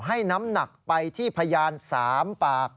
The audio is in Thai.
น้ำหนักไปที่พยาน๓ปาก